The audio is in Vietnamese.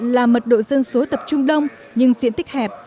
là mật độ dân số tập trung đông nhưng diện tích hẹp